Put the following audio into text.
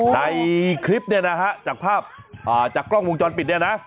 ในคลิปเนี่ยนะฮะจากภาพจากกล้องวงจรปิดเนี่ยนะ